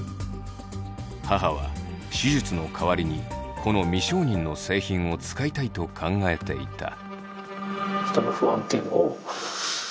母は手術の代わりにこの未承認の製品を使いたいと考えていた。